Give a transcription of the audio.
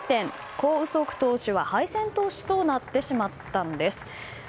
コ・ウソク投手は敗戦投手となってしまったんです。